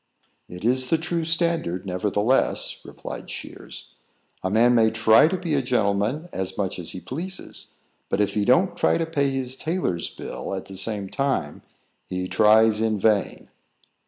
"It is the true standard, nevertheless," replied Shears. "A man may try to be a gentleman as much as he pleases, but if he don't try to pay his tailor's bill at the same time, he tries in vain."